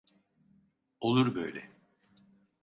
Olur böyle.